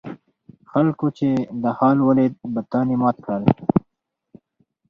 خلکو چې دا حال ولید بتان یې مات کړل.